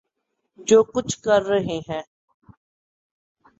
جو کچھ کر رہے ہیں۔